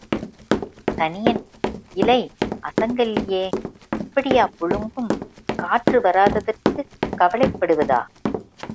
சனியன் இலை அசங்கல்லியே இப்படியா புழுங்கும்? காற்று வராததற்குக் கவலைப்படுவதா?